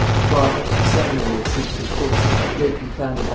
Brought up at the seminary of St. Sulpice, lately founded by M.